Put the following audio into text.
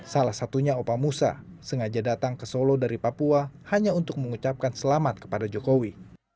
salah satunya opa musa sengaja datang ke solo dari papua hanya untuk mengucapkan selamat kepada jokowi